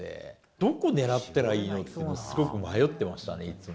どこ狙ったらいいのっていうの、すごく迷ってましたね、いつも。